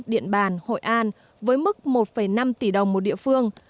điện bàn hội an với mức một năm tỷ đồng một địa phương